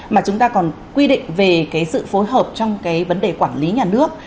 mà chúng ta còn quy định về cái sự phối hợp trong cái vấn đề quản lý nhà nước